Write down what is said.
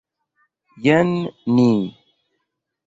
Jen ni!